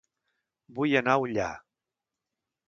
Vull anar a Ullà